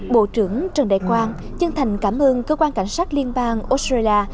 bộ trưởng trần đại quang chân thành cảm ơn cơ quan cảnh sát liên bang australia